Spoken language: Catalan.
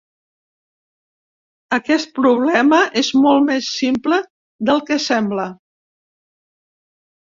Aquest problema és molt més simple del que sembla.